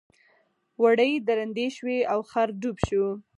وړۍ درندې شوې او خر ډوب شو.